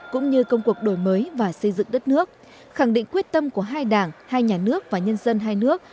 cũng như công cuộc đổi mới và xây dựng đất nước khẳng định quyết tâm của hai đảng hai nhà nước và nhân dân hai nước